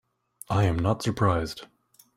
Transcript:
I am not surprised.